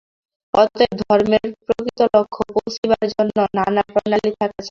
অতএব ধর্মের প্রকৃত লক্ষ্যে পৌঁছিবার জন্য নানা প্রণালী থাকা চাই।